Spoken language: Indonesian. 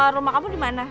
rumah kamu dimana